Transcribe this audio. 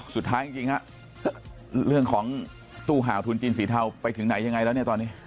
สุดท้ายจริงฮะเรื่องของตู้ห่าวทุนจีนสีเทาไปถึงไหนยังไงแล้วเนี่ยตอนนี้